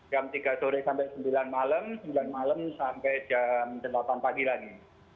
jam tiga sore sampai sembilan malam sembilan malam sampai jam delapan pagi lagi